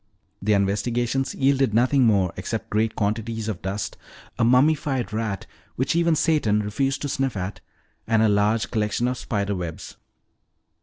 Their investigations yielded nothing more except great quantities of dust, a mummified rat which even Satan refused to sniff at, and a large collection of spider webs.